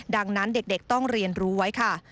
ดังนั้นเด็กต้องเรียนรู้ไว้ค่ะ